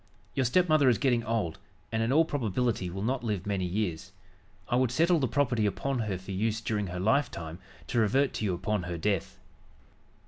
Your stepmother is getting old, and, in all probability, will not live many years. I would settle the property upon her for use during her lifetime, to revert to you upon her death."